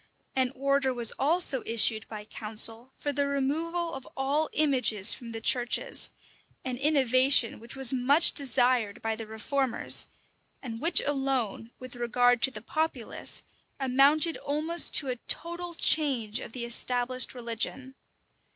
[*] An order was also issued by council for the removal of all images from the churches; an innovation which was much desired by the reformers, and which alone, with regard to the populace, amounted almost to a total change of the established religion.